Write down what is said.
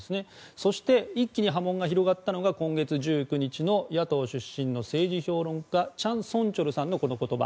そして一気に波紋が広がったのが今月１９日の野党出身の政治評論家チャン・ソンチョルさんのこの言葉。